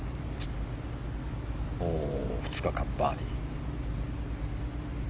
２日間、バーディー。